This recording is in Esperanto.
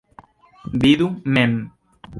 Vidu mem.